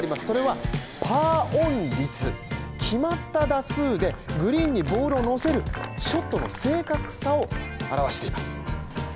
それはパーオン率決まった打数でグリーンにボールを乗せるショットの正確さを表しています。